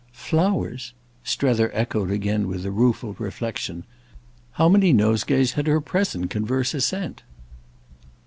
"Flowers?" Strether echoed again with a rueful reflexion. How many nosegays had her present converser sent?